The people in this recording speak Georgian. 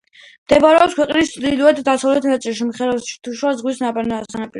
მდებარეობს ქვეყნის ჩრდილო-დასავლეთ ნაწილში, ხმელთაშუა ზღვის სანაპიროზე.